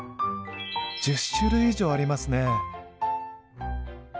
１０種類以上ありますね。